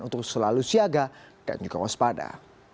untuk selalu siaga dan juga waspada